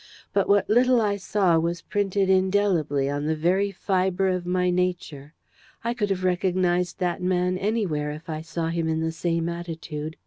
But what little I saw was printed indelibly on the very fibre of my nature. I could have recognised that man anywhere if I saw him in the same attitude.